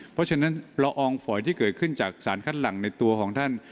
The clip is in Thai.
เพราะฉะนั้นละอองฝอยที่เกิดขึ้นจากสารคัดหลังในตัวของท่าน